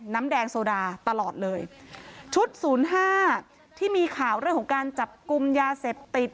น้ำแดงโซดาตลอดเลยชุดศูนย์ห้าที่มีข่าวเรื่องของการจับกลุ่มยาเสพติด